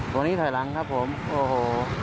ตัวนี้ถอยหลังครับผมโอ้โห